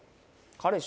彼氏？